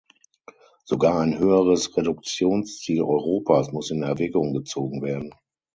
Sogar ein höheres Reduktionsziel Europas muss in Erwägung gezogen werden.